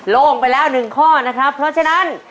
โล่งไปแล้วหนึ่งข้อนะครับเพราะฉะนั้น